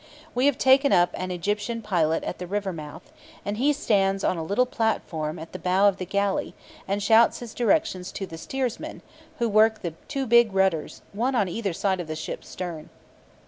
We have taken up an Egyptian pilot at the river mouth, and he stands on a little platform at the bow of the galley, and shouts his directions to the steersmen, who work the two big rudders, one on either side of the ship's stern.